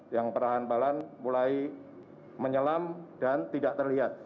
yang perahan perahan mulai menyelam dan tidak terlihat